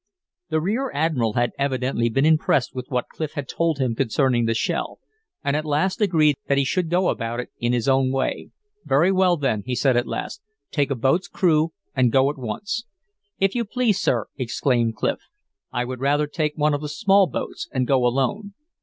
The rear admiral had evidently been impressed with what Clif had told him concerning the shell, and at last agreed that he should go about it in his own way. "Very well, then," he said at last. "Take a boat's crew and go at once." "If you please, sir," exclaimed Clif, "I would rather take one of the small boats and go alone.